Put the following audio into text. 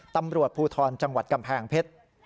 ตำรวจภูทรจังหวัดกำแพงเพชร